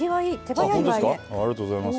ありがとうございます。